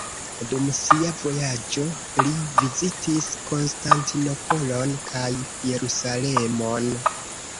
Dum sia vojaĝo li vizitis Konstantinopolon kaj Jerusalemon.